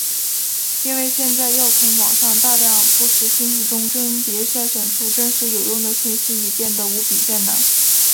因为现在要从网上大量不实信息中甄别筛选出真实有用的信息已变的无比艰难。